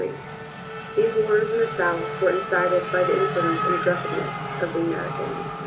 These wars in the South were incited by the insolence and aggressiveness of the Americans.